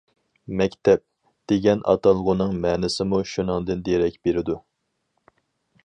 «مەكتەپ» دېگەن ئاتالغۇنىڭ مەنىسىمۇ شۇنىڭدىن دېرەك بېرىدۇ.